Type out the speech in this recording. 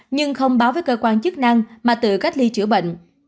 nhưng không báo với cơ quan chức năng mà tự cách ly chữa bệnh